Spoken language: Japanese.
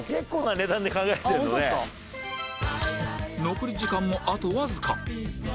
残り時間もあとわずか